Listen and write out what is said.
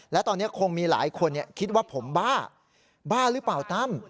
และตอนนี้คงมีหลายคนคิดว่าผมบ้าบ้าหรือเปล่าตั้ม